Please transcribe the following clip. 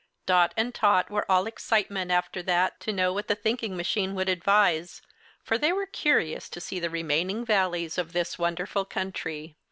Dot and Tot were all excitement after that to know what the thinking machine would advise, for they were curious to see the remaining Valleys of this wonderful country.